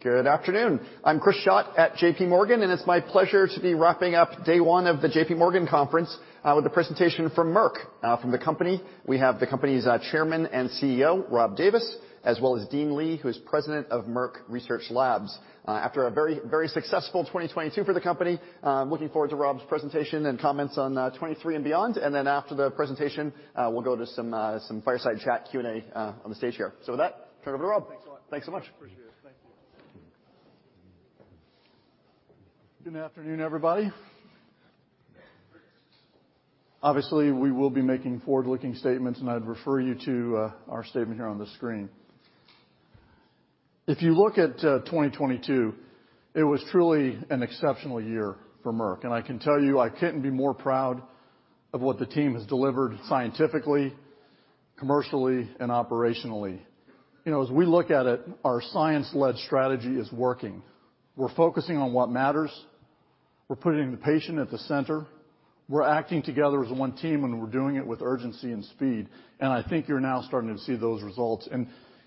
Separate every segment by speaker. Speaker 1: Good afternoon. I'm Chris Schott at JPMorgan, it's my pleasure to be wrapping up day one of the JPMorgan conference, with a presentation from Merck. From the company, we have the company's Chairman and CEO, Rob Davis, as well as Dean Li, who is President of Merck Research Labs. After a very, very successful 2022 for the company, looking forward to Rob's presentation and comments on 2023 and beyond. After the presentation, we'll go to some fireside chat Q&A on the stage here. With that, turn it over to Rob.
Speaker 2: Thanks a lot.
Speaker 1: Thanks so much.
Speaker 2: Appreciate it. Thank you. Good afternoon, everybody. Obviously, we will be making forward-looking statements, and I'd refer you to our statement here on the screen. If you look at 2022, it was truly an exceptional year for Merck. I can tell you, I couldn't be more proud of what the team has delivered scientifically, commercially, and operationally. You know, as we look at it, our science-led strategy is working. We're focusing on what matters, we're putting the patient at the center, we're acting together as one team, and we're doing it with urgency and speed. I think you're now starting to see those results.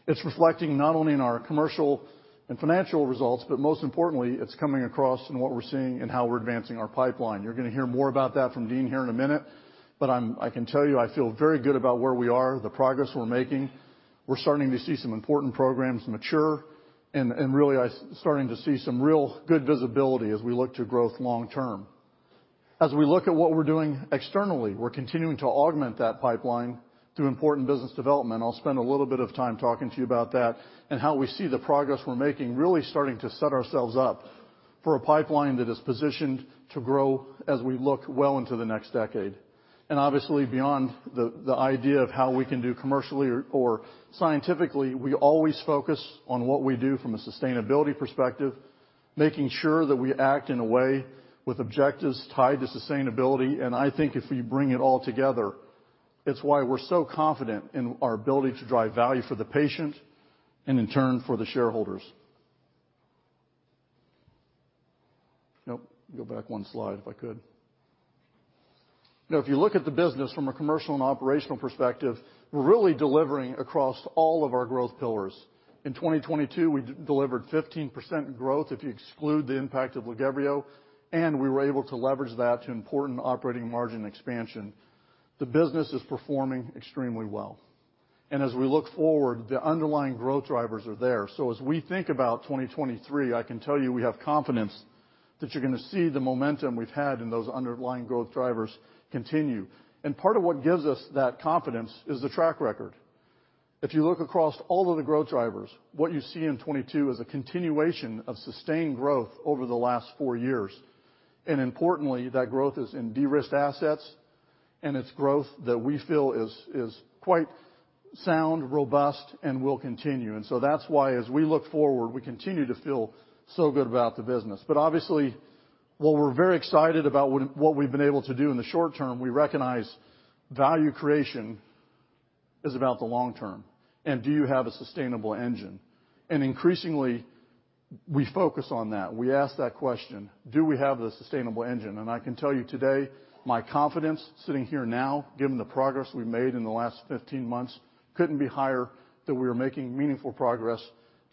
Speaker 2: It's reflecting not only in our commercial and financial results, but most importantly, it's coming across in what we're seeing in how we're advancing our pipeline. You're gonna hear more about that from Dean here in a minute, but I can tell you, I feel very good about where we are, the progress we're making. We're starting to see some important programs mature and really starting to see some real good visibility as we look to growth long term. As we look at what we're doing externally, we're continuing to augment that pipeline through important business development. I'll spend a little bit of time talking to you about that and how we see the progress we're making, really starting to set ourselves up for a pipeline that is positioned to grow as we look well into the next decade. Obviously, beyond the idea of how we can do commercially or scientifically, we always focus on what we do from a sustainability perspective, making sure that we act in a way with objectives tied to sustainability. I think if we bring it all together, it's why we're so confident in our ability to drive value for the patient and in turn, for the shareholders. Nope. Go back one slide if I could. If you look at the business from a commercial and operational perspective, we're really delivering across all of our growth pillars. In 2022, we delivered 15% growth if you exclude the impact of LAGEVRIO, and we were able to leverage that to important operating margin expansion. The business is performing extremely well. As we look forward, the underlying growth drivers are there. As we think about 2023, I can tell you we have confidence that you're gonna see the momentum we've had and those underlying growth drivers continue. Part of what gives us that confidence is the track record. If you look across all of the growth drivers, what you see in 2022 is a continuation of sustained growth over the last four years. Importantly, that growth is in de-risked assets, and it's growth that we feel is quite sound, robust, and will continue. That's why as we look forward, we continue to feel so good about the business. Obviously, while we're very excited about what we've been able to do in the short term, we recognize value creation is about the long term and do you have a sustainable engine? Increasingly, we focus on that. We ask that question, do we have the sustainable engine? I can tell you today, my confidence sitting here now, given the progress we've made in the last 15 months, couldn't be higher that we are making meaningful progress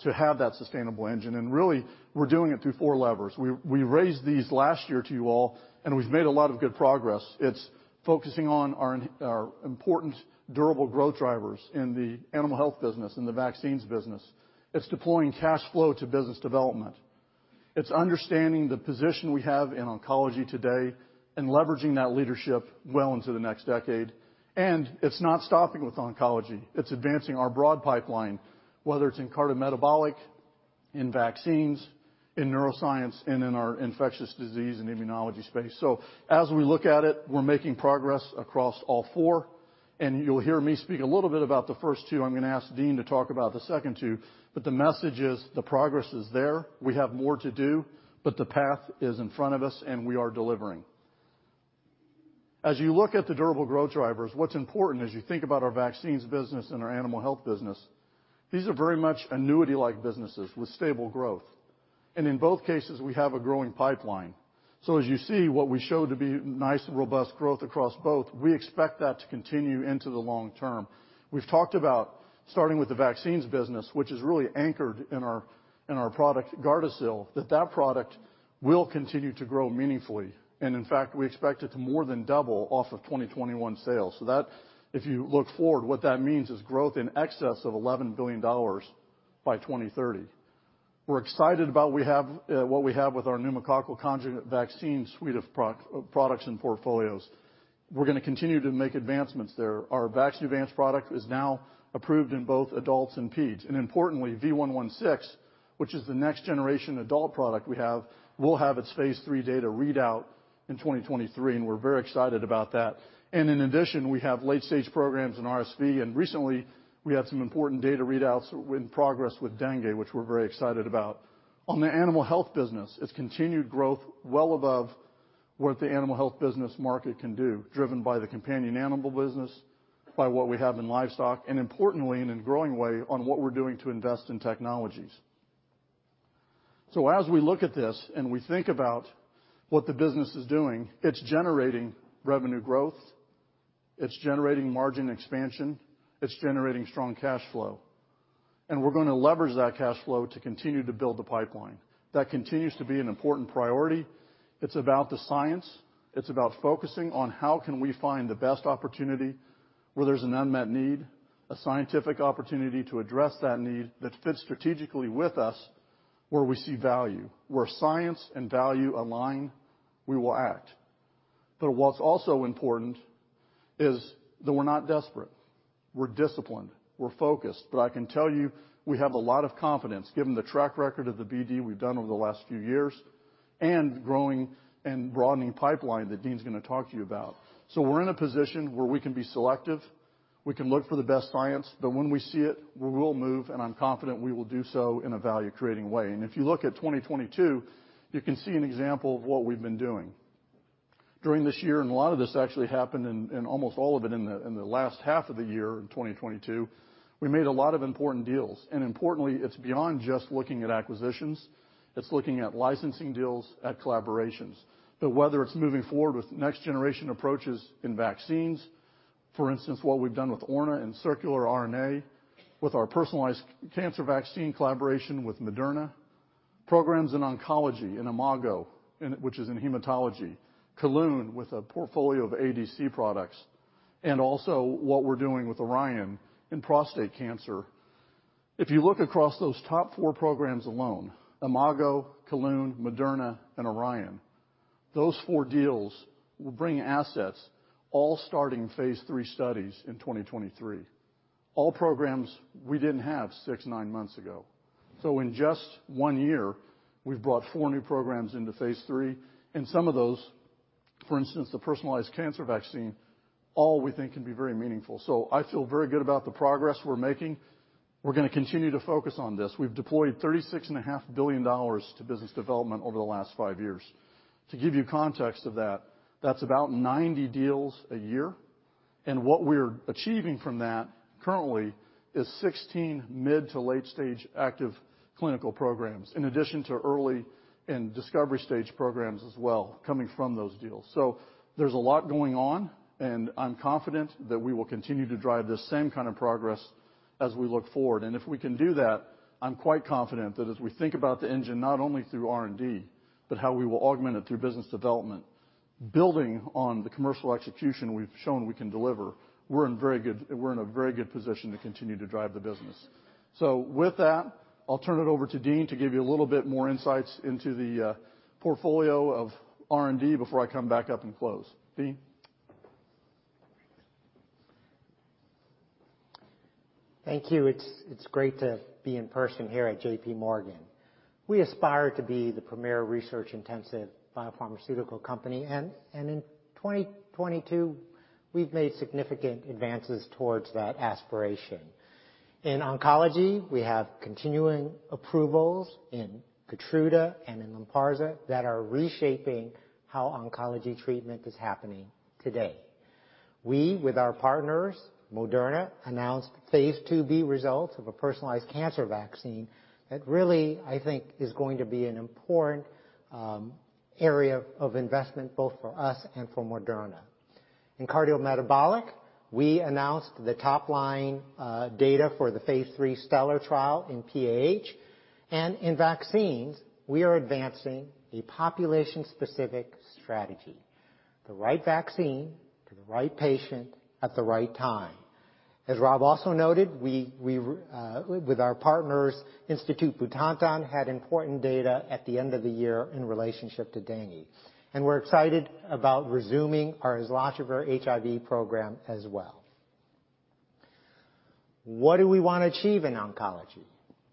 Speaker 2: to have that sustainable engine. Really, we're doing it through 4 levers. We raised these last year to you all, and we've made a lot of good progress. It's focusing on our important durable growth drivers in the Animal Health business, in the vaccines business. It's deploying cash flow to business development. It's understanding the position we have in oncology today and leveraging that leadership well into the next decade. It's not stopping with oncology. It's advancing our broad pipeline, whether it's in cardiometabolic, in vaccines, in neuroscience, and in our infectious disease and immunology space. As we look at it, we're making progress across all four. You'll hear me speak a little bit about the first two. I'm gonna ask Dean to talk about the second two, but the message is, the progress is there. We have more to do, but the path is in front of us and we are delivering. As you look at the durable growth drivers, what's important as you think about our vaccines business and our Animal Health business, these are very much annuity-like businesses with stable growth. In both cases, we have a growing pipeline. As you see, what we show to be nice and robust growth across both, we expect that to continue into the long term. We've talked about starting with the vaccines business, which is really anchored in our product, GARDASIL, that product will continue to grow meaningfully. In fact, we expect it to more than double off of 2021 sales. If you look forward, what that means is growth in excess of $11 billion by 2030. We're excited about what we have with our pneumococcal conjugate vaccine suite of products and portfolios. We're gonna continue to make advancements there. Our VAXNEUVANCE product is now approved in both adults and peds. Importantly, V116, which is the next generation adult product we have, will have its phase III data readout in 2023, and we're very excited about that. In addition, we have late-stage programs in RSV, and recently we had some important data readouts in progress with dengue, which we're very excited about. On the Animal Health business, it's continued growth well above what the Animal Health business market can do, driven by the companion animal business, by what we have in livestock, and importantly, in a growing way, on what we're doing to invest in technologies. As we look at this and we think about what the business is doing, it's generating revenue growth, it's generating margin expansion, it's generating strong cash flow. We're gonna leverage that cash flow to continue to build the pipeline. That continues to be an important priority. It's about the science. It's about focusing on how can we find the best opportunity where there's an unmet need, a scientific opportunity to address that need that fits strategically with us where we see value. Where science and value align, we will act. What's also important is that we're not desperate. We're disciplined, we're focused, I can tell you, we have a lot of confidence given the track record of the BD we've done over the last few years, and growing and broadening pipeline that Dean's gonna talk to you about. We're in a position where we can be selective. We can look for the best science, but when we see it, we will move, and I'm confident we will do so in a value-creating way. If you look at 2022, you can see an example of what we've been doing. During this year, and a lot of this actually happened and almost all of it in the, in the last half of the year in 2022, we made a lot of important deals. Importantly, it's beyond just looking at acquisitions. It's looking at licensing deals at collaborations. Whether it's moving forward with next-generation approaches in vaccines, for instance, what we've done with Orna in circular RNA, with our personalized cancer vaccine collaboration with Moderna. Programs in oncology, in Imago, which is in hematology. Kelun with a portfolio of ADC products, and also what we're doing with Orion in prostate cancer. If you look across those top 4 programs alone, Imago, Kelun, Moderna, and Orion, those 4 deals will bring assets all starting phase III studies in 2023. All programs we didn't have 6, 9 months ago. In just 1 year, we've brought four new programs into phase III, and some of those, for instance, the personalized cancer vaccine, all we think can be very meaningful. I feel very good about the progress we're making. We're gonna continue to focus on this. We've deployed $36.5 billion to business development over the last five years. To give you context of that's about 90 deals a year. What we're achieving from that currently is 16 mid to late stage active clinical programs, in addition to early and discovery stage programs as well coming from those deals. There's a lot going on, and I'm confident that we will continue to drive the same kind of progress as we look forward. If we can do that, I'm quite confident that as we think about the engine, not only through R&D, but how we will augment it through business development, building on the commercial execution we've shown we can deliver, we're in a very good position to continue to drive the business. With that, I'll turn it over to Dean to give you a little bit more insights into the portfolio of R&D before I come back up and close. Dean?
Speaker 3: Thank you. It's great to be in person here at JPMorgan. We aspire to be the premier research-intensive biopharmaceutical company, and in 2022, we've made significant advances towards that aspiration. In oncology, we have continuing approvals in KEYTRUDA and in Lynparza that are reshaping how oncology treatment is happening today. We, with our partners, Moderna, announced phase II-B results of a personalized cancer vaccine that really, I think, is going to be an important area of investment both for us and for Moderna. In cardiometabolic, we announced the top line data for the phase III STELLAR trial in PAH. In vaccines, we are advancing a population-specific strategy. The right vaccine to the right patient at the right time. As Rob also noted, we with our partners, Institut Pasteur, had important data at the end of the year in relationship to dengue. We're excited about resuming our islatravir HIV program as well. What do we wanna achieve in oncology?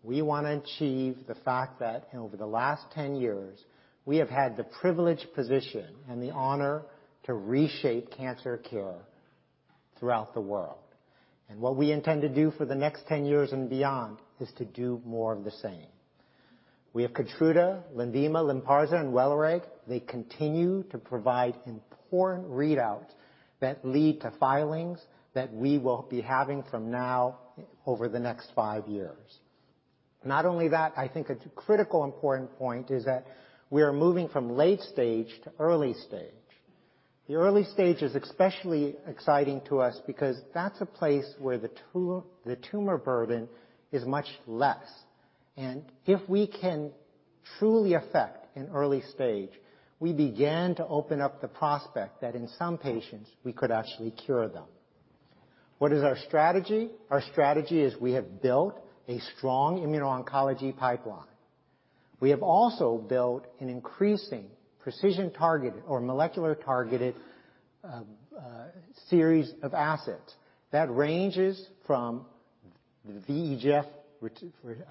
Speaker 3: We wanna achieve the fact that over the last 10 years, we have had the privileged position and the honor to reshape cancer care throughout the world. What we intend to do for the next 10 years and beyond is to do more of the same. We have KEYTRUDA, Lenvima, Lynparza, and WELIREG. They continue to provide important readouts that lead to filings that we will be having from now over the next 5 years. Not only that, I think a critical important point is that we are moving from late stage to early stage. The early stage is especially exciting to us because that's a place where the tumor burden is much less. If we can truly affect in early stage, we begin to open up the prospect that in some patients, we could actually cure them. What is our strategy? Our strategy is we have built a strong immuno-oncology pipeline. We have also built an increasing precision targeted or molecular targeted series of assets that ranges from VEGF, which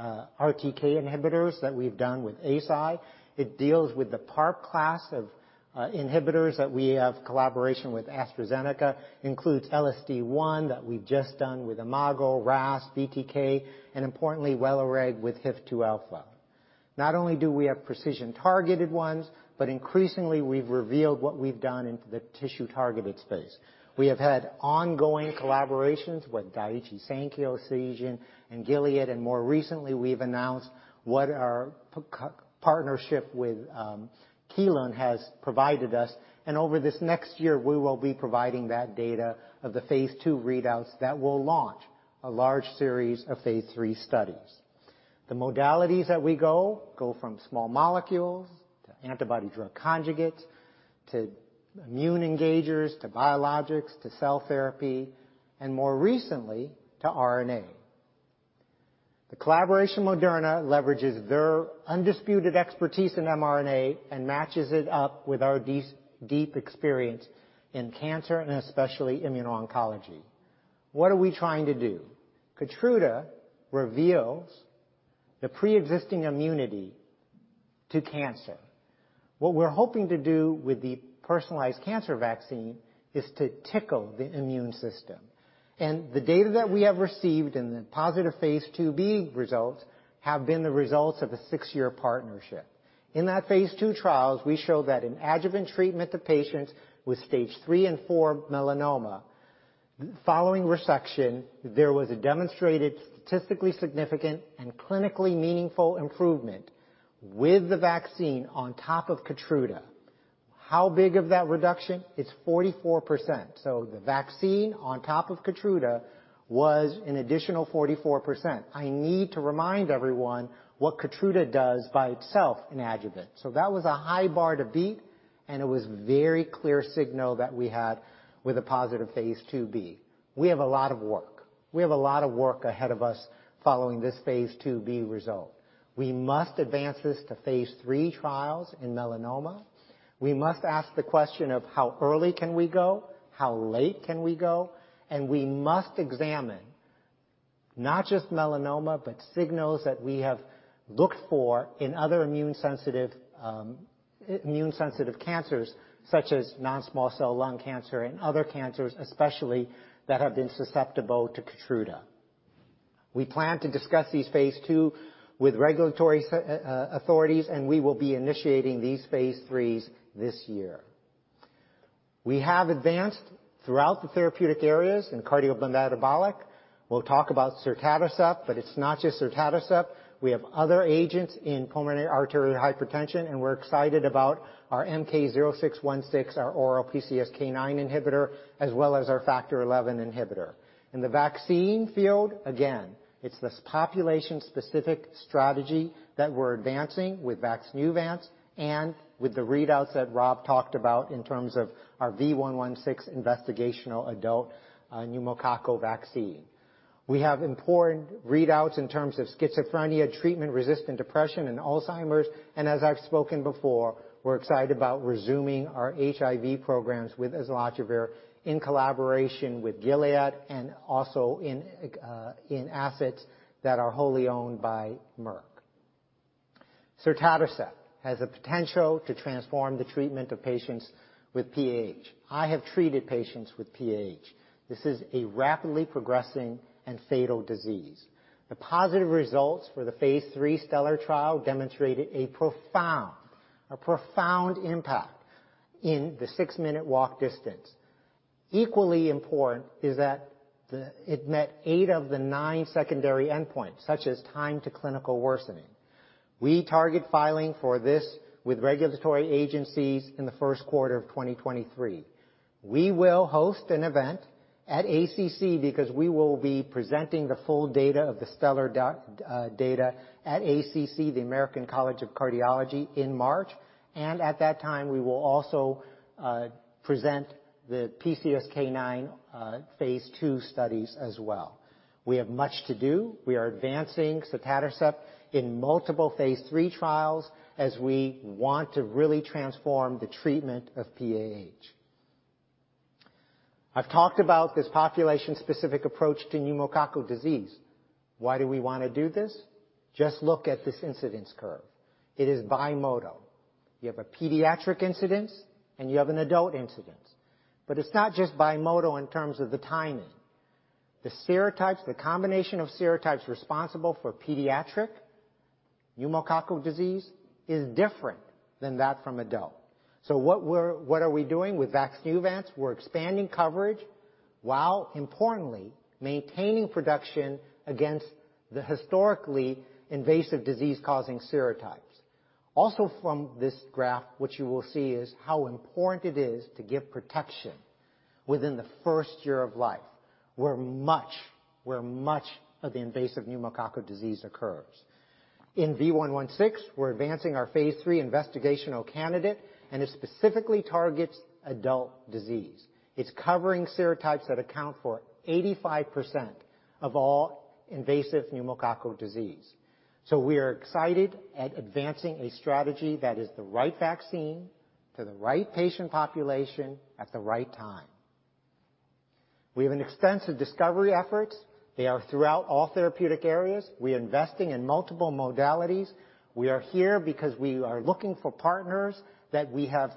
Speaker 3: RTK inhibitors that we've done with ESI. It deals with the PARP class of inhibitors that we have collaboration with AstraZeneca. Includes LSD-1 that we've just done with Imago, RAS, BTK, and importantly, WELIREG with HIF-2α. Not only do we have precision-targeted ones, but increasingly, we've revealed what we've done into the tissue-targeted space. We have had ongoing collaborations with Daiichi Sankyo, Seagen, and Gilead. More recently, we've announced what our partnership with Kelun has provided us. Over this next year, we will be providing that data of the phase II readouts that will launch a large series of phase III studies. The modalities that we go from small molecules to antibody-drug conjugates, to immune engagers, to biologics, to cell therapy, and more recently, to RNA. The collaboration Moderna leverages their undisputed expertise in mRNA and matches it up with our deep experience in cancer and especially immuno-oncology. What are we trying to do? KEYTRUDA reveals the preexisting immunity to cancer. What we're hoping to do with the personalized cancer vaccine is to tickle the immune system. The data that we have received in the positive phase II-B results have been the results of a 6-year partnership. In that phase II trials, we showed that in adjuvant treatment of patients with stage III and IV melanoma, following resection, there was a demonstrated statistically significant and clinically meaningful improvement with the vaccine on top of KEYTRUDA. How big of that reduction? It's 44%. The vaccine on top of KEYTRUDA was an additional 44%. I need to remind everyone what KEYTRUDA does by itself in adjuvant. That was a high bar to beat, and it was very clear signal that we had with a positive phase II-B. We have a lot of work. We have a lot of work ahead of us following this phase II-B result. We must advance this to phase III trials in melanoma. We must ask the question of how early can we go, how late can we go, we must examine not just melanoma, but signals that we have looked for in other immune sensitive, immune sensitive cancers such as non-small cell lung cancer and other cancers, especially, that have been susceptible to KEYTRUDA. We plan to discuss these phase II with regulatory authorities, we will be initiating these phase IIIs this year. We have advanced throughout the therapeutic areas in cardiometabolic. We'll talk about sotatercept, it's not just sotatercept. We have other agents in pulmonary arterial hypertension, and we're excited about our MK-0616, our oral PCSK9 inhibitor, as well as our Factor XI inhibitor. In the vaccine field, again, it's this population-specific strategy that we're advancing with VAXNEUVANCE and with the readouts that Rob talked about in terms of our V116 investigational adult pneumococcal vaccine. We have important readouts in terms of schizophrenia, treatment-resistant depression, and Alzheimer's. As I've spoken before, we're excited about resuming our HIV programs with islatravir in collaboration with Gilead and also in assets that are wholly owned by Merck. Sotatercept has the potential to transform the treatment of patients with PAH. I have treated patients with PAH. This is a rapidly progressing and fatal disease. The positive results for the phase III STELLAR trial demonstrated a profound impact in the six-minute walk distance. Equally important is that it met eight of the nine secondary endpoints, such as time to clinical worsening. We target filing for this with regulatory agencies in the first quarter of 2023. We will host an event at ACC because we will be presenting the full data of the STELLAR data at ACC, the American College of Cardiology, in March. At that time, we will also present the PCSK9 phase II studies as well. We have much to do. We are advancing sotatercept in multiple phase III trials as we want to really transform the treatment of PAH. I've talked about this population-specific approach to pneumococcal disease. Why do we wanna do this? Just look at this incidence curve. It is bimodal. You have a pediatric incidence, and you have an adult incidence. It's not just bimodal in terms of the timing. The serotypes, the combination of serotypes responsible for pediatric pneumococcal disease is different than that from adult. What are we doing with VAXNEUVANCE? We're expanding coverage while importantly maintaining production against the historically invasive disease-causing serotypes. From this graph, what you will see is how important it is to give protection within the first year of life, where much of the invasive pneumococcal disease occurs. In V116, we're advancing our phase III investigational candidate, and it specifically targets adult disease. It's covering serotypes that account for 85% of all invasive pneumococcal disease. We are excited at advancing a strategy that is the right vaccine to the right patient population at the right time. We have an extensive discovery efforts. They are throughout all therapeutic areas. We are investing in multiple modalities. We are here because we are looking for partners that we have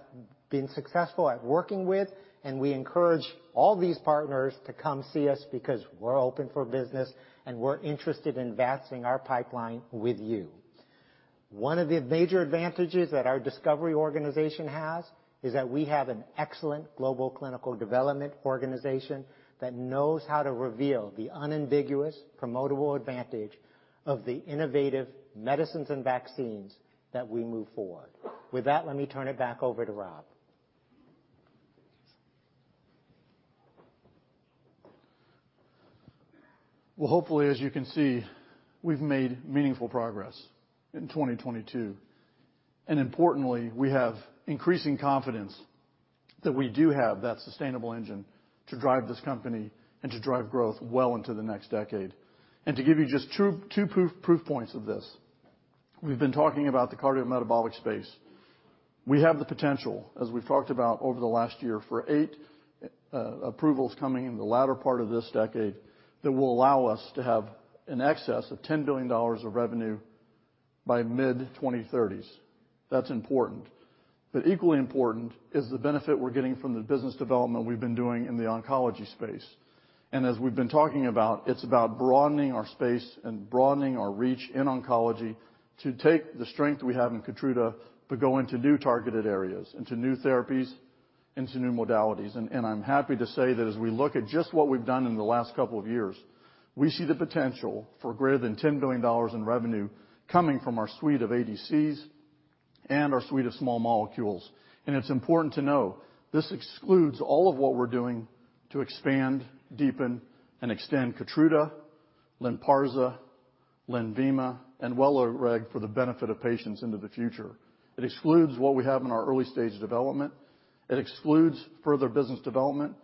Speaker 3: been successful at working with, and we encourage all these partners to come see us because we're open for business, and we're interested in advancing our pipeline with you. One of the major advantages that our discovery organization has is that we have an excellent global clinical development organization that knows how to reveal the unambiguous promotable advantage of the innovative medicines and vaccines that we move forward. With that, let me turn it back over to Rob.
Speaker 2: Well, hopefully, as you can see, we've made meaningful progress in 2022. Importantly, we have increasing confidence that we do have that sustainable engine to drive this company and to drive growth well into the next decade. To give you just two proof points of this, we've been talking about the cardiometabolic space. We have the potential, as we've talked about over the last year, for 8 approvals coming in the latter part of this decade that will allow us to have an excess of $10 billion of revenue by mid-2030s. That's important. Equally important is the benefit we're getting from the business development we've been doing in the oncology space. As we've been talking about, it's about broadening our space and broadening our reach in oncology to take the strength we have in KEYTRUDA, but go into new targeted areas, into new therapies, into new modalities. I'm happy to say that as we look at just what we've done in the last couple of years, we see the potential for greater than $10 billion in revenue coming from our suite of ADCs and our suite of small molecules. It's important to know this excludes all of what we're doing to expand, deepen, and extend KEYTRUDA, Lynparza, Lenvima, and WELIREG for the benefit of patients into the future. It excludes what we have in our early-stage development, it excludes further business development,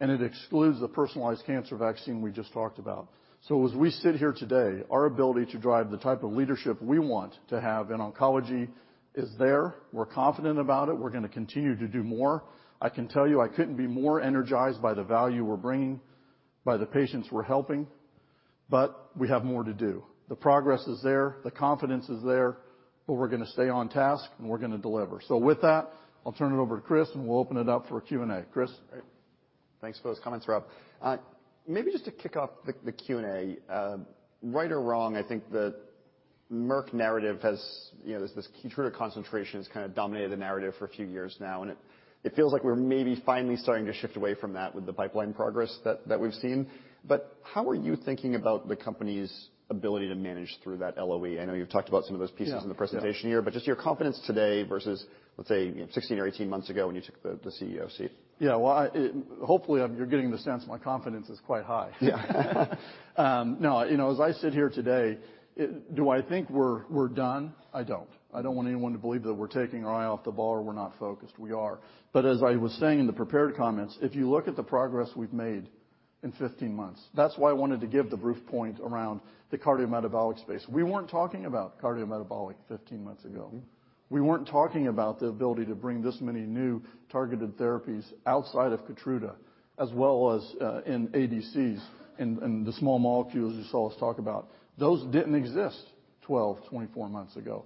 Speaker 2: and it excludes the personalized cancer vaccine we just talked about. As we sit here today, our ability to drive the type of leadership we want to have in oncology is there. We're confident about it. We're gonna continue to do more. I can tell you, I couldn't be more energized by the value we're bringing, by the patients we're helping, but we have more to do. The progress is there, the confidence is there, but we're gonna stay on task, and we're gonna deliver. With that, I'll turn it over to Chris, and we'll open it up for Q&A. Chris?
Speaker 1: Thanks for those comments, Rob. Maybe just to kick off the Q&A, right or wrong, I think the Merck narrative has, you know, this KEYTRUDA concentration has kinda dominated the narrative for a few years now, and it feels like we're maybe finally starting to shift away from that with the pipeline progress that we've seen. How are you thinking about the company's ability to manage through that LOE? I know you've talked about some of those pieces...
Speaker 2: Yeah, yeah.
Speaker 1: in the presentation here, but just your confidence today versus, let's say, 16 or 18 months ago when you took the CEO seat.
Speaker 2: Yeah. Well, hopefully you're getting the sense my confidence is quite high.
Speaker 1: Yeah.
Speaker 2: No, you know, as I sit here today, do I think we're done? I don't. I don't want anyone to believe that we're taking our eye off the ball or we're not focused. We are. As I was saying in the prepared comments, if you look at the progress we've made in 15 months, that's why I wanted to give the brief point around the cardiometabolic space. We weren't talking about cardiometabolic 15 months ago.
Speaker 1: Mm-hmm.
Speaker 2: We weren't talking about the ability to bring this many new targeted therapies outside of KEYTRUDA, as well as in ADCs, and the small molecules you saw us talk about. Those didn't exist 12, 24 months ago,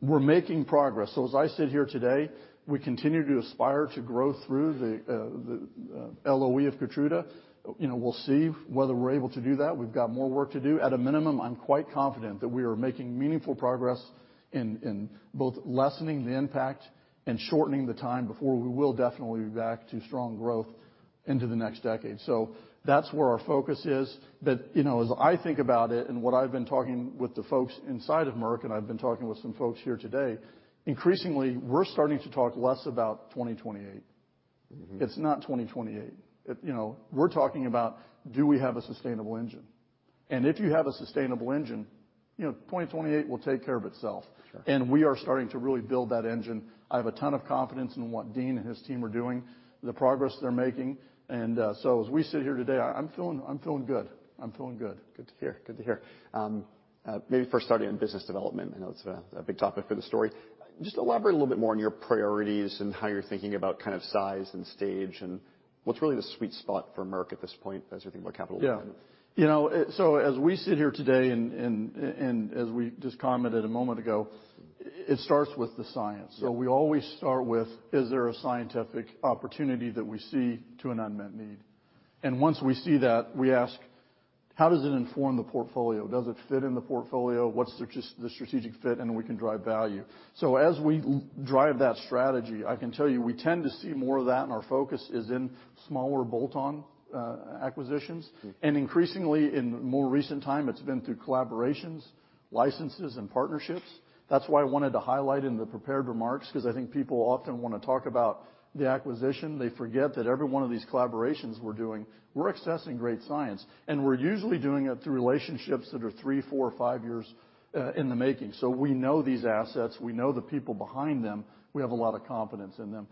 Speaker 2: we're making progress. As I sit here today, we continue to aspire to grow through the LOE of KEYTRUDA. You know, we'll see whether we're able to do that. We've got more work to do. At a minimum, I'm quite confident that we are making meaningful progress in both lessening the impact and shortening the time before we will definitely be back to strong growth into the next decade. That's where our focus is. You know, as I think about it and what I've been talking with the folks inside of Merck, and I've been talking with some folks here today, increasingly, we're starting to talk less about 2028.
Speaker 1: Mm-hmm.
Speaker 2: It's not 2028. you know, we're talking about, do we have a sustainable engine? If you have a sustainable engine, you know, 2028 will take care of itself.
Speaker 1: Sure.
Speaker 2: We are starting to really build that engine. I have a ton of confidence in what Dean and his team are doing, the progress they're making. So as we sit here today, I'm feeling good. I'm feeling good.
Speaker 1: Good to hear. Good to hear. Maybe first starting on business development, I know it's a big topic for the story. Just elaborate a little bit more on your priorities and how you're thinking about kind of size and stage and what's really the sweet spot for Merck at this point as you think about capital deployment.
Speaker 2: Yeah. You know, as we sit here today and as we just commented a moment ago, it starts with the science.
Speaker 1: Yeah.
Speaker 2: We always start with, is there a scientific opportunity that we see to an unmet need? Once we see that, we ask, how does it inform the portfolio? Does it fit in the portfolio? What's the strategic fit, and we can drive value? As we drive that strategy, I can tell you, we tend to see more of that, and our focus is in smaller bolt-on acquisitions.
Speaker 1: Mm-hmm.
Speaker 2: Increasingly, in more recent time, it's been through collaborations, licenses, and partnerships. That's why I wanted to highlight in the prepared remarks, because I think people often wanna talk about the acquisition. They forget that every one of these collaborations we're doing, we're accessing great science, and we're usually doing it through relationships that are 3, 4, or 5 years in the making, so we know these assets, we know the people behind them. We have a lot of confidence in them.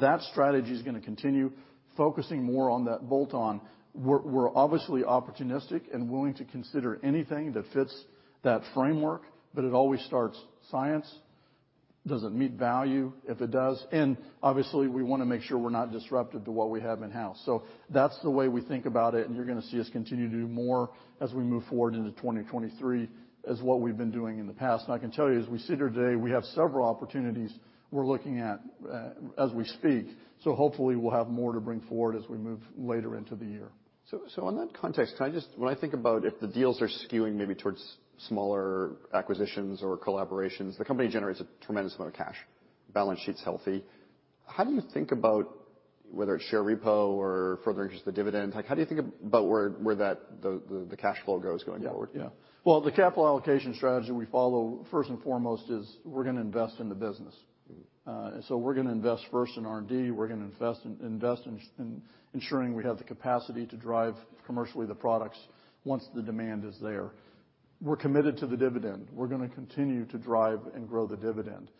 Speaker 2: That strategy is gonna continue, focusing more on that bolt-on. We're obviously opportunistic and willing to consider anything that fits that framework, but it always starts science. Does it meet value? If it does, and obviously, we wanna make sure we're not disruptive to what we have in-house. That's the way we think about it, and you're gonna see us continue to do more as we move forward into 2023, as what we've been doing in the past. I can tell you, as we sit here today, we have several opportunities we're looking at, as we speak, so hopefully we'll have more to bring forward as we move later into the year.
Speaker 1: In that context, can I just when I think about if the deals are skewing maybe towards smaller acquisitions or collaborations, the company generates a tremendous amount of cash. Balance sheet's healthy. How do you think about whether it's share repo or further interest, the dividends? Like how do you think about where that the cash flow goes going forward?
Speaker 2: Yeah. Well, the capital allocation strategy we follow first and foremost is we're gonna invest in the business.
Speaker 1: Mm-hmm.
Speaker 2: We're gonna invest first in R&D. We're gonna invest in ensuring we have the capacity to drive commercially the products once the demand is there. We're committed to the dividend. We're gonna continue to drive and grow the dividend.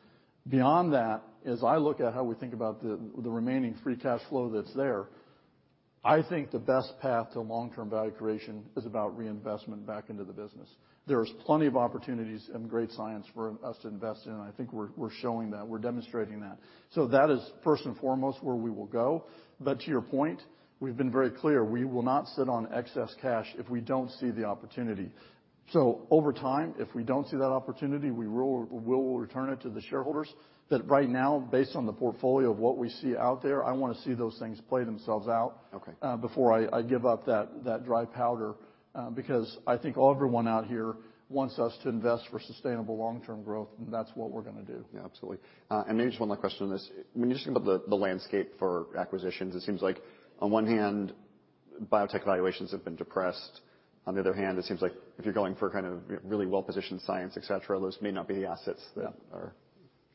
Speaker 2: Beyond that, as I look at how we think about the remaining free cash flow that's there, I think the best path to long-term value creation is about reinvestment back into the business. There's plenty of opportunities and great science for us to invest in. I think we're showing that, we're demonstrating that. That is first and foremost where we will go. To your point, we've been very clear, we will not sit on excess cash if we don't see the opportunity. Over time, if we don't see that opportunity, we will return it to the shareholders. Right now, based on the portfolio of what we see out there, I wanna see those things play themselves out.
Speaker 1: Okay.
Speaker 2: before I give up that dry powder, because I think everyone out here wants us to invest for sustainable long-term growth, and that's what we're gonna do.
Speaker 1: Yeah, absolutely. And maybe just one last question on this. When you think about the landscape for acquisitions, it seems like on one hand, biotech valuations have been depressed. On the other hand, it seems like if you're going for kind of really well-positioned science, et cetera, those may not be the assets that are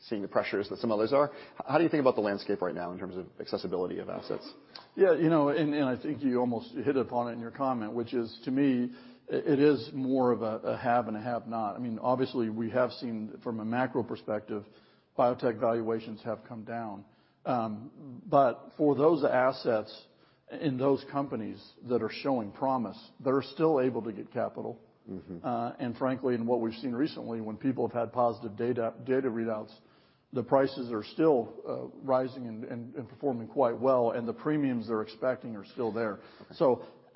Speaker 1: seeing the pressures that some others are. How do you think about the landscape right now in terms of accessibility of assets?
Speaker 2: Yeah. You know, and I think you almost hit upon it in your comment, which is, to me, it is more of a have and a have not. I mean, obviously, we have seen from a macro perspective, biotech valuations have come down. For those assets in those companies that are showing promise, they're still able to get capital.
Speaker 1: Mm-hmm.
Speaker 2: Frankly, in what we've seen recently, when people have had positive data readouts, the prices are still rising and performing quite well, and the premiums they're expecting are still there.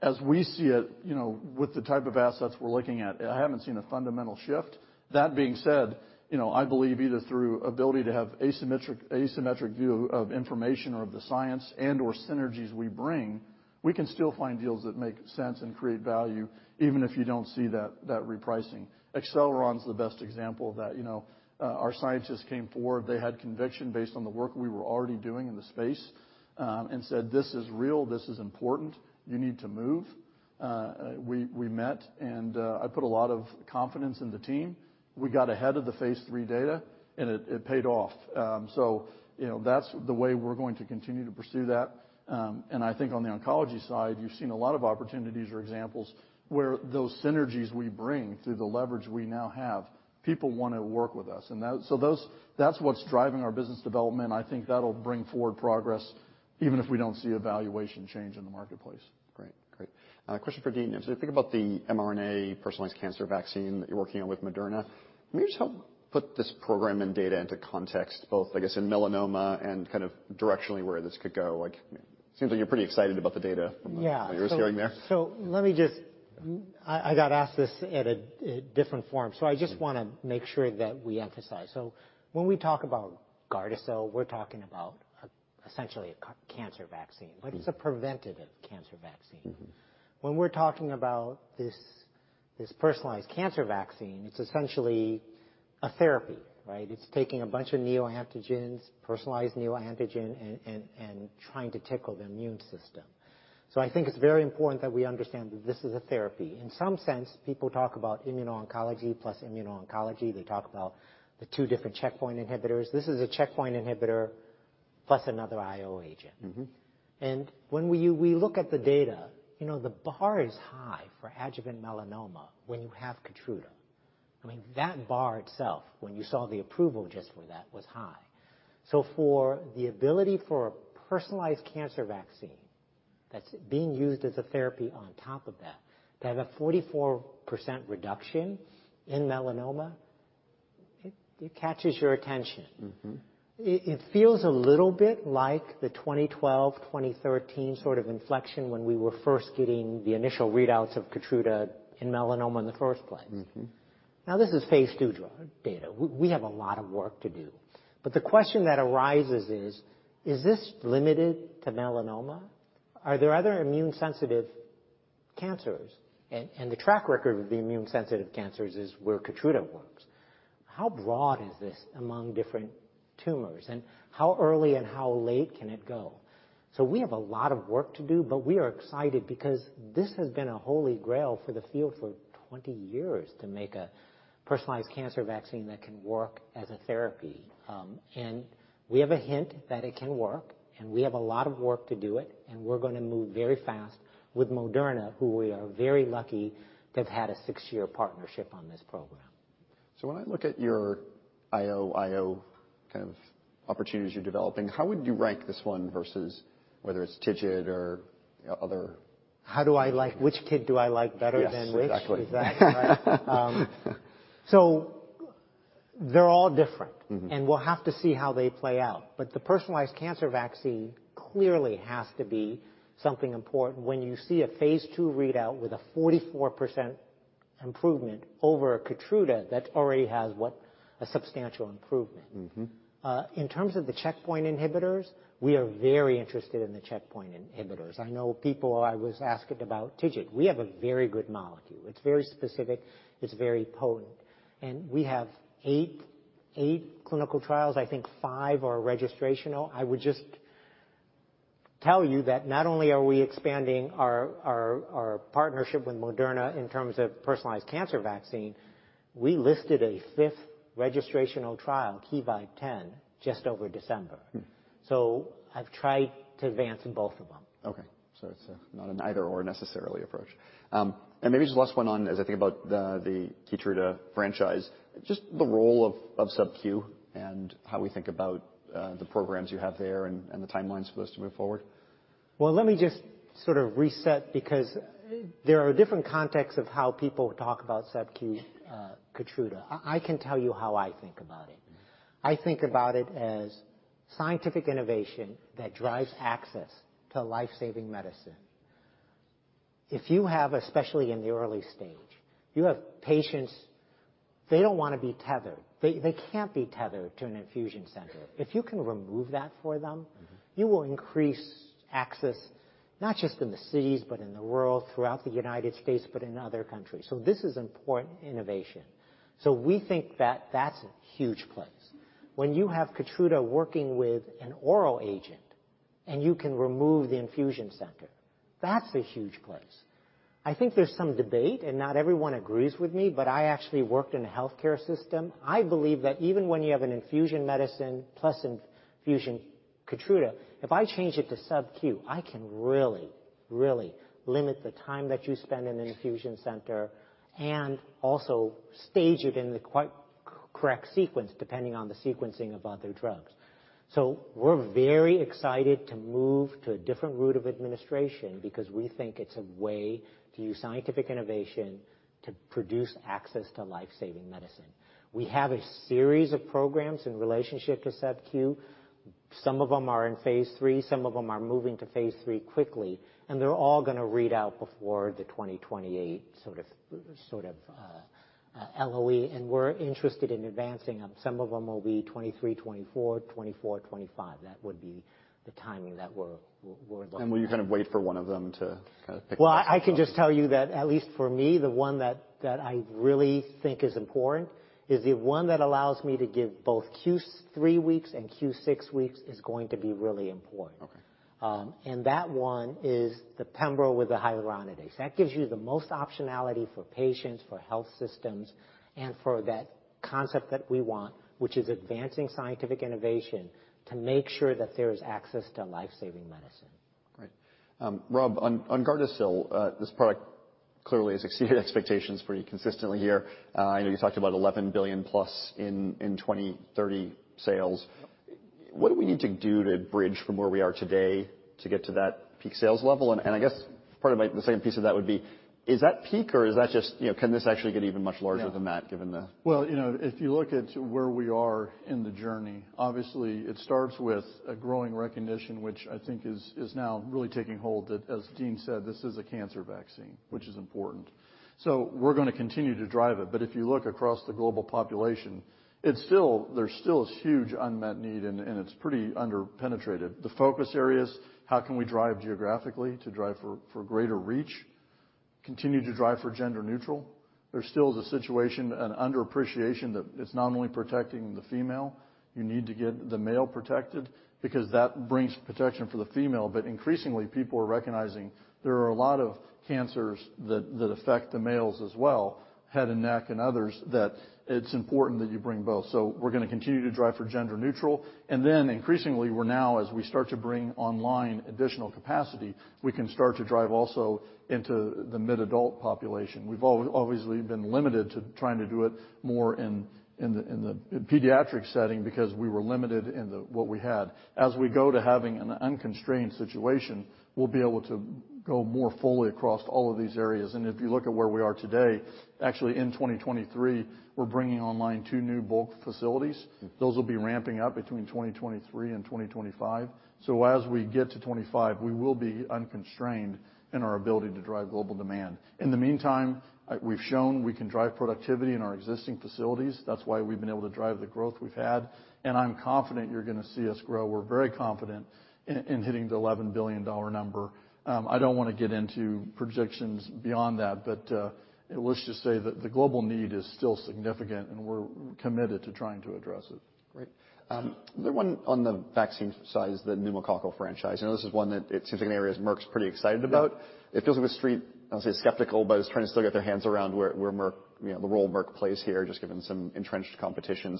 Speaker 2: As we see it, you know, with the type of assets we're looking at, I haven't seen a fundamental shift. That being said, you know, I believe either through ability to have asymmetric view of information or of the science and/or synergies we bring, we can still find deals that make sense and create value, even if you don't see that repricing. Acceleron is the best example of that. You know, our scientists came forward, they had conviction based on the work we were already doing in the space, and said, "This is real. This is important. You need to move." We met, I put a lot of confidence in the team. We got ahead of the phase III data, it paid off. You know, that's the way we're going to continue to pursue that. I think on the oncology side, you've seen a lot of opportunities or examples where those synergies we bring through the leverage we now have, people wanna work with us, and that... That's what's driving our business development. I think that'll bring forward progress, even if we don't see a valuation change in the marketplace.
Speaker 1: Great. Great. Question for Dean? If you think about the mRNA personalized cancer vaccine that you're working on with Moderna, can you just help put this program and data into context, both, I guess, in melanoma and kind of directionally where this could go? Like, it seems like you're pretty excited about the data from what I was hearing there.
Speaker 3: Yeah. I got asked this at a different forum, so I just wanna make sure that we emphasize. When we talk about GARDASIL, we're talking about essentially a cancer vaccine. It's a preventative cancer vaccine. When we're talking about this personalized cancer vaccine, it's essentially a therapy, right? It's taking a bunch of neoantigens, personalized neoantigen and trying to tickle the immune system. I think it's very important that we understand that this is a therapy. In some sense, people talk about immuno-oncology plus immuno-oncology. They talk about the two different checkpoint inhibitors. This is a checkpoint inhibitor plus another I-O agent.
Speaker 1: Mm-hmm.
Speaker 3: When we look at the data, you know, the bar is high for adjuvant melanoma when you have KEYTRUDA. I mean, that bar itself, when you saw the approval just for that, was high. For the ability for a personalized cancer vaccine that's being used as a therapy on top of that to have a 44% reduction in melanoma, it catches your attention.
Speaker 1: Mm-hmm.
Speaker 3: It feels a little bit like the 2012, 2013 sort of inflection when we were first getting the initial readouts of KEYTRUDA in melanoma in the first place.
Speaker 1: Mm-hmm.
Speaker 3: Now, this is phase II data. We have a lot of work to do. The question that arises is: Is this limited to melanoma? Are there other immune-sensitive cancers? The track record of the immune-sensitive cancers is where KEYTRUDA works. How broad is this among different tumors, and how early and how late can it go? We have a lot of work to do, but we are excited because this has been a holy grail for the field for 20 years to make a personalized cancer vaccine that can work as a therapy. We have a hint that it can work, and we have a lot of work to do it, and we're gonna move very fast with Moderna, who we are very lucky to have had a six-year partnership on this program.
Speaker 1: When I look at your I-O kind of opportunities you're developing, how would you rank this one versus whether it's TIGIT or other...
Speaker 3: Which kid do I like better than which?
Speaker 1: Yes, exactly.
Speaker 3: Is that right? So they're all different.
Speaker 1: Mm-hmm.
Speaker 3: We'll have to see how they play out. The personalized cancer vaccine clearly has to be something important when you see a phase II readout with a 44% improvement over KEYTRUDA that already has, what? A substantial improvement.
Speaker 1: Mm-hmm.
Speaker 3: In terms of the checkpoint inhibitors, we are very interested in the checkpoint inhibitors. I know people I was asking about TIGIT. We have a very good molecule. It's very specific. It's very potent. We have eight clinical trials. I think five are registrational. Not only are we expanding our partnership with Moderna in terms of personalized cancer vaccine, we listed a 5th registrational trial, KEYVIBE-010, just over December. I've tried to advance in both of them.
Speaker 1: Okay. It's not an either/or necessarily approach. Maybe just last one on, as I think about the KEYTRUDA franchise, just the role of subcu and how we think about the programs you have there and the timelines for those to move forward.
Speaker 3: Let me just sort of reset because there are different contexts of how people talk about subcu KEYTRUDA. I can tell you how I think about it.
Speaker 1: Mm-hmm.
Speaker 3: I think about it as scientific innovation that drives access to life-saving medicine. If you have, especially in the early stage, you have patients, they don't wanna be tethered. They can't be tethered to an infusion center. If you can remove that for them. You will increase access, not just in the cities, but in the world, throughout the United States, but in other countries. This is important innovation. We think that that's a huge place. When you have KEYTRUDA working with an oral agent, and you can remove the infusion center, that's a huge place. I think there's some debate, and not everyone agrees with me, but I actually worked in a healthcare system. I believe that even when you have an infusion medicine plus infusion KEYTRUDA, if I change it to subcu, I can really, really limit the time that you spend in an infusion center and also stage it in the quite correct sequence, depending on the sequencing of other drugs. We're very excited to move to a different route of administration because we think it's a way to use scientific innovation to produce access to life-saving medicine. We have a series of programs in relationship to subcu. Some of them are in phase III, some of them are moving to phase III quickly. They're all gonna read out before the 2028 sort of LOE. We're interested in advancing them. Some of them will be 2023, 2024, 2025. That would be the timing that we're looking at.
Speaker 1: Will you kind of wait for one of them to kind of pick up?
Speaker 3: I can just tell you that at least for me, the one that I really think is important is the one that allows me to give both Q3 weeks and Q6 weeks is going to be really important.
Speaker 1: Okay.
Speaker 3: That one is the pembro with the hyaluronidase. That gives you the most optionality for patients, for health systems, and for that concept that we want, which is advancing scientific innovation to make sure that there is access to life-saving medicine.
Speaker 1: Great. Rob, on GARDASIL, this product clearly has exceeded expectations for you consistently here. I know you talked about $11 billion-plus in 2030 sales. What do we need to do to bridge from where we are today to get to that peak sales level? The second piece of that would be, is that peak or is that just, you know, can this actually get even much larger than that?
Speaker 2: Yeah...
Speaker 1: given.
Speaker 2: Well, you know, if you look at where we are in the journey, obviously it starts with a growing recognition, which I think is now really taking hold, that, as Dean said, this is a cancer vaccine, which is important. We're gonna continue to drive it. If you look across the global population, there still is huge unmet need and it's pretty under-penetrated. The focus areas, how can we drive geographically to drive for greater reach? Continue to drive for gender neutral. There still is a situation, an underappreciation that it's not only protecting the female, you need to get the male protected because that brings protection for the female. Increasingly, people are recognizing there are a lot of cancers that affect the males as well, head and neck and others, that it's important that you bring both. We're going to continue to drive for gender neutral, and then increasingly, we're now, as we start to bring online additional capacity, we can start to drive also into the mid-adult population. We've obviously been limited to trying to do it more in the pediatric setting because we were limited in the, what we had. As we go to having an unconstrained situation, we'll be able to go more fully across all of these areas. If you look at where we are today, actually in 2023, we're bringing online 2 new bulk facilities.
Speaker 1: Mm.
Speaker 2: Those will be ramping up between 2023 and 2025. As we get to 2025, we will be unconstrained in our ability to drive global demand. In the meantime, we've shown we can drive productivity in our existing facilities. That's why we've been able to drive the growth we've had, and I'm confident you're gonna see us grow. We're very confident in hitting the $11 billion number. I don't wanna get into predictions beyond that, let's just say that the global need is still significant, and we're committed to trying to address it.
Speaker 1: Great. The one on the vaccine side is the pneumococcal franchise. I know this is one that it seems like an area Merck's pretty excited about. It feels like the Street, I'll say skeptical, but is trying to still get their hands around where Merck, you know, the role Merck plays here, just given some entrenched competition.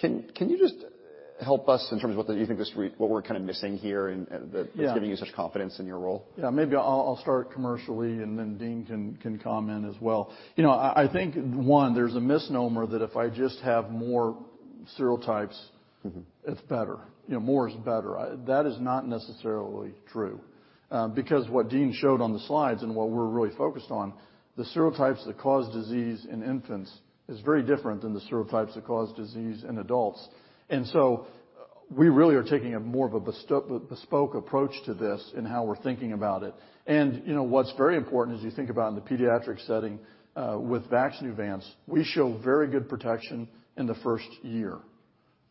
Speaker 1: Can you just help us in terms of what you think the Street... what we're kind of missing here and that's giving you such confidence in your role?
Speaker 2: Yeah. Maybe I'll start commercially, and then Dean can comment as well. You know, I think, one, there's a misnomer that if I just have more serotypes it's better. You know, more is better. That is not necessarily true, because what Dean showed on the slides and what we're really focused on, the serotypes that cause disease in infants is very different than the serotypes that cause disease in adults. We really are taking a more of a bespoke approach to this in how we're thinking about it. You know, what's very important as you think about in the pediatric setting, with VAXNEUVANCE, we show very good protection in the first year.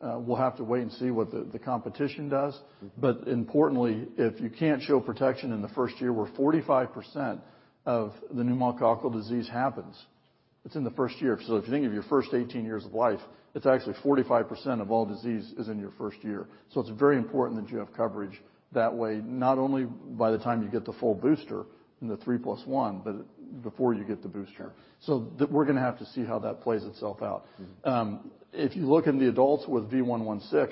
Speaker 2: We'll have to wait and see what the competition does.
Speaker 1: Mm-hmm.
Speaker 2: Importantly, if you can't show protection in the first year, where 45% of the pneumococcal disease happens. It's in the first year. If you think of your first 18 years of life, it's actually 45% of all disease is in your first year. It's very important that you have coverage that way, not only by the time you get the full booster in the 3 plus 1, but before you get the booster. We're gonna have to see how that plays itself out. If you look in the adults with V116,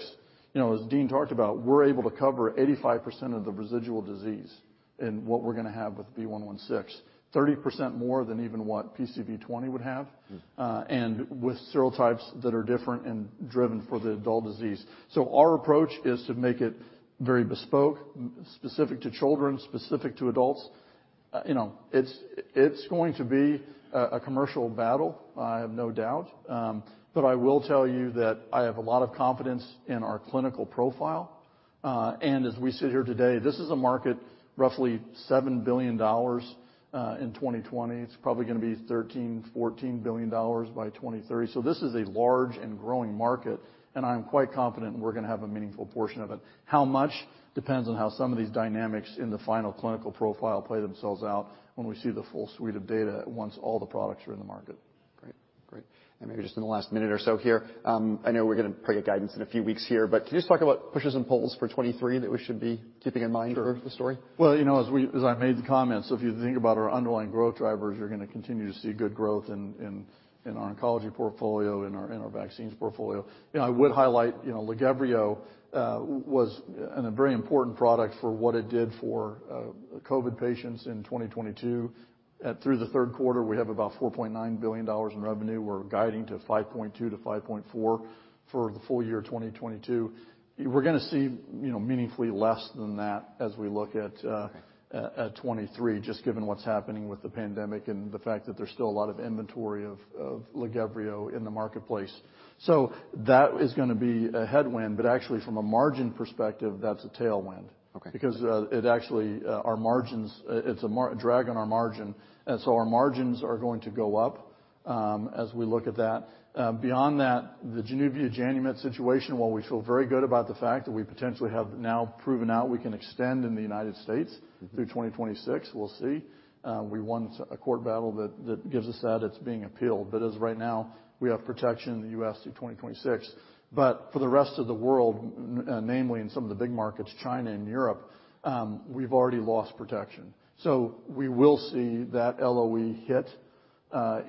Speaker 2: you know, as Dean talked about, we're able to cover 85% of the residual disease in what we're gonna have with V116. 30% more than even what PCV20 would have, and with serotypes that are different and driven for the adult disease. Our approach is to make it very bespoke, specific to children, specific to adults. you know, it's going to be a commercial battle, I have no doubt. I will tell you that I have a lot of confidence in our clinical profile. As we sit here today, this is a market roughly $7 billion in 2020. It's probably gonna be $13 billion-$14 billion by 2030. This is a large and growing market, and I am quite confident we're gonna have a meaningful portion of it. How much depends on how some of these dynamics in the final clinical profile play themselves out when we see the full suite of data once all the products are in the market.
Speaker 1: Great. Great. Maybe just in the last minute or so here, I know we're gonna probably get guidance in a few weeks here, but can you just talk about pushes and pulls for 2023 that we should be keeping in mind for the story?
Speaker 2: Well, you know, as I made the comment, if you think about our underlying growth drivers, you're gonna continue to see good growth in our oncology portfolio, in our vaccines portfolio. You know, I would highlight, you know, LAGEVRIO was a very important product for what it did for COVID patients in 2022. Through the third quarter, we have about $4.9 billion in revenue. We're guiding to $5.2 billion-$5.4 billion for the full year of 2022. We're gonna see, you know, meaningfully less than that as we look at 2023, just given what's happening with the pandemic and the fact that there's still a lot of inventory of LAGEVRIO in the marketplace. That is gonna be a headwind, but actually from a margin perspective, that's a tailwind.
Speaker 1: Okay.
Speaker 2: Because it actually our margins, it's a drag on our margin, and so our margins are going to go up as we look at that. Beyond that, the JANUVIA JANUMET situation, while we feel very good about the fact that we potentially have now proven out we can extend in the United States through 2026, we'll see. We won a court battle that gives us that. It's being appealed. As of right now, we have protection in the U.S. through 2026. For the rest of the world, namely in some of the big markets, China and Europe, we've already lost protection. We will see that LOE hit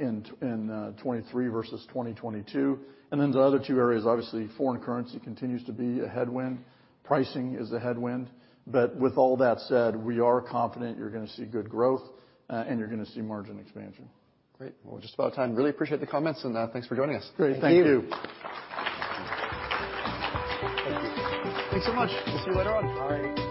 Speaker 2: in 2023 versus 2022. The other two areas, obviously, foreign currency continues to be a headwind. Pricing is a headwind. With all that said, we are confident you're gonna see good growth, and you're gonna see margin expansion.
Speaker 1: Great. We're just about out of time. Really appreciate the comments. Thanks for joining us.
Speaker 2: Great. Thank you.
Speaker 3: Thank you. Thank you.
Speaker 1: Thanks so much. We'll see you later on.
Speaker 3: All righty.